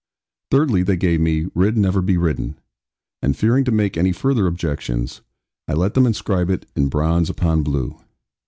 Thirdly, they gave me, 'Ridd never be ridden,' and fearing to make any further objections, I let them inscribe it in bronze upon blue.